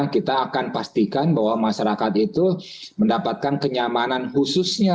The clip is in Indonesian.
kita akan pastikan bahwa masyarakat itu mendapatkan kenyamanan khususnya